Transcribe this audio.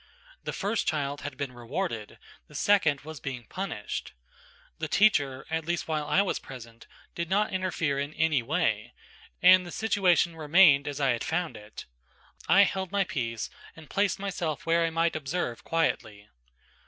The first child had been rewarded, the second was being punished. The teacher, at least while I was present, did not interfere in any way, and the situation remained as I had found it. I held my peace, and placed myself where I might observe quietly.